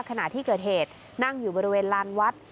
ขณะที่เกิดเหตุนั่งอยู่บริเวณลานวัด